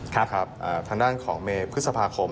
ทางด้านของเมภศพคม